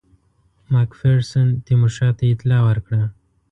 مک فیرسن تیمورشاه ته اطلاع ورکړه.